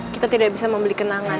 kita tidak bisa membeli kenangan